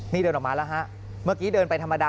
นี่เดินออกมาแล้วฮะเมื่อกี้เดินไปธรรมดา